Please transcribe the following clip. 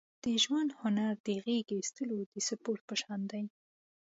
د ژوند هنر د غېږې اېستلو د سپورت په شان دی.